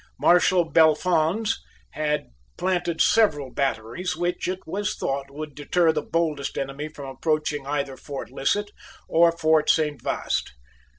Marshal Bellefonds had planted several batteries which, it was thought, would deter the boldest enemy from approaching either Fort Lisset or Fort Saint Vaast.